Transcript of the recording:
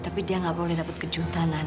tapi dia gak boleh dapet kejutanan